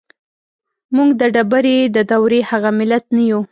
موږ د ډبرې د دورې هغه ملت نه يو.